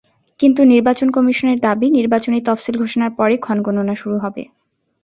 কিন্তু নির্বাচন কমিশনের দাবি, নির্বাচনী তফসিল ঘোষণার পরই ক্ষণগণনা শুরু হবে।